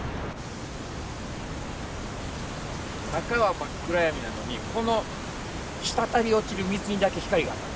中は真っ暗闇なのにこの滴り落ちる水にだけ光が当たる。